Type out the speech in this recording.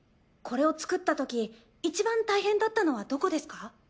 これを作ったときいちばん大変だったのはどこですか？